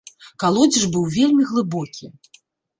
Калодзеж быў вельмі глыбокі.